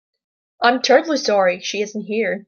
I'm terribly sorry she isn't here.